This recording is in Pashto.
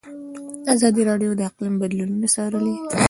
ازادي راډیو د اقلیم بدلونونه څارلي.